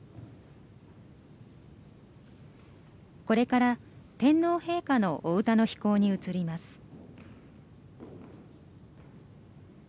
これから天皇陛下のお歌の披講に移ります。